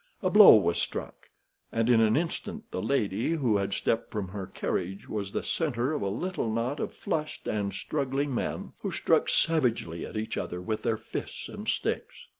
A blow was struck, and in an instant the lady, who had stepped from her carriage, was the center of a little knot of struggling men who struck savagely at each other with their fists and sticks.